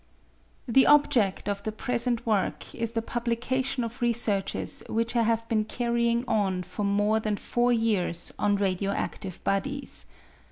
The objeft of the present work is the pubhcation of re searches which I have been carrying on for more than four years on radio adtive bodies.